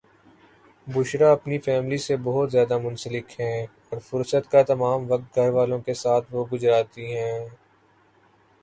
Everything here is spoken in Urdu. بشریٰ اپنی فیملی سے بوہت زیاد منسلک ہیں اور فرست کا تمم وقت گھر والوں کے ساتھ وہ گجراتی ہیں